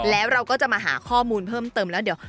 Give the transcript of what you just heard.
แล้วเราก็จะมาหาข้อมูลเพิ่มเติมแล้วเดี๋ยว